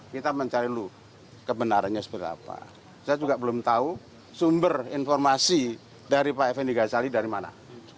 kita mencari dulu kebenarannya seperti apa saya juga belum tahu sumber informasi dari pak effendi ghazali dari mana